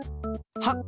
はっ！